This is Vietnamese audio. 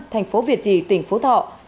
tp việt trì tỉnh phú thọ